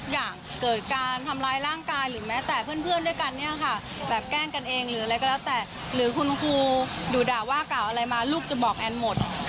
อยากเกิดการทำร้ายร่างกายหรือแม้แต่เพื่อนด้วยกันเนี่ยค่ะแบบแกล้งกันเองหรืออะไรก็แล้วแต่หรือคุณครูดุด่าว่ากล่าวอะไรมาลูกจะบอกแอนหมด